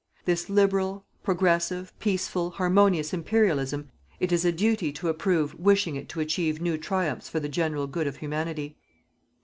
This liberal, progressive, peaceful, harmonious Imperialism, it is a duty to approve wishing it to achieve new triumphs for the general good of Humanity.